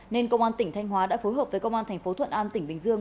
nên công an tỉnh thanh hóa đã phối hợp với công an thành phố thuận an tỉnh bình dương